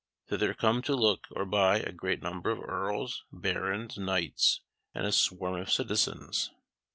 Thither come to look or buy a great number of earls, barons, knights, and a swarm of citizens.